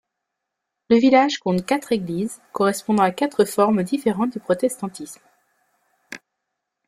Le village compte quatre églises correspondant à quatre formes différentes du protestantisme.